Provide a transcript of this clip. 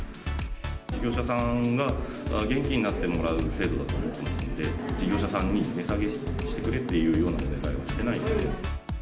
事業者さんが元気になってもらう制度だと思ってますので、事業者さんに値下げしてくれっていうようなお願いはしてない。